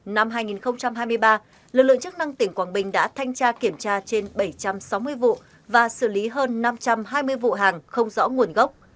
năm hai nghìn hai mươi ba lực lượng chức năng tỉnh quảng bình đã thanh tra kiểm tra trên bảy trăm sáu mươi vụ và xử lý hơn năm trăm hai mươi vụ hàng không rõ nguồn gốc